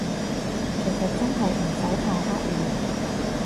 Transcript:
其實真係唔使太刻意